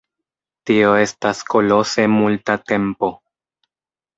Tio estas kolose multa tempo.